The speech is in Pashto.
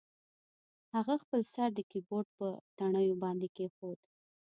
هغه خپل سر د کیبورډ په تڼیو باندې کیښود